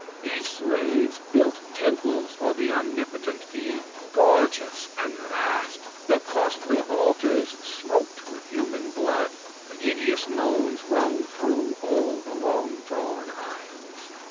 These slaves built temples for the omnipotent fiend, Gorgeous and vast: the costly altars smoked With human blood, and hideous moans rung Through all the long drawn aisles.